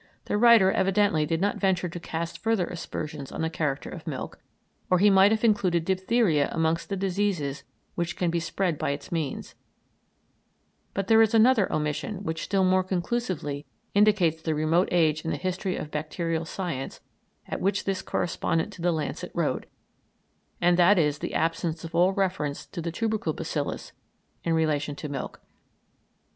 The writer evidently did not venture to cast further aspersions on the character of milk, or he might have included diphtheria amongst the diseases which can be spread by its means; but there is another omission which still more conclusively indicates the remote age in the history of bacterial science at which this correspondent to the Lancet wrote, and that is the absence of all reference to the tubercle bacillus in relation to milk.